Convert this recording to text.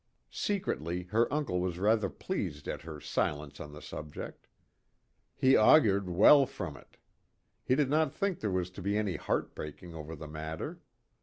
Secretly her uncle was rather pleased at her silence on the subject. He augured well from it. He did not think there was to be any heart breaking over the matter.